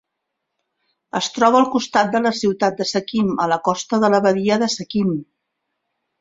Es troba al costat de la ciutat de Sequim, a la costa de la badia de Sequim.